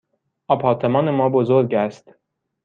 آپارتمان ما بزرگ است.